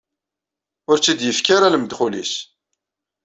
Ur tt-id-yekfi ara lmedxul-is.